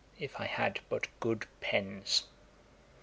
if I had but good pens.